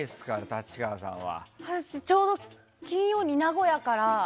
私ちょうど金曜に、名古屋から「ＺＩＰ！」